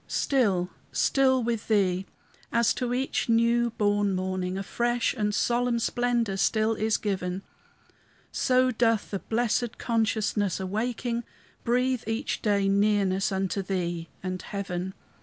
Still, still with Thee! as to each new born morning A fresh and solemn splendor still is given, So doth the blessed consciousness, awaking, Breathe, each day, nearness unto Thee and heaven.